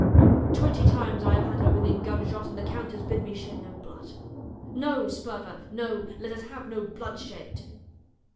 Twenty times I have had her within gunshot, and the count has bid me shed no blood. 'No, Sperver, no; let us have no bloodshed.'